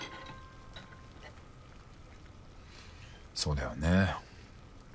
そうだよね。